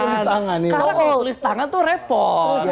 karena yang tulis tangan tuh repot